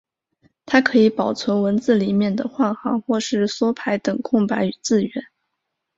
它可以保存文字里面的换行或是缩排等空白字元。